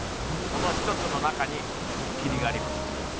その一つの中にドッキリがあります